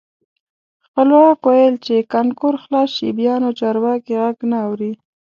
خپلواک ویل چې کانکور خلاص شي بیا نو چارواکي غږ نه اوري.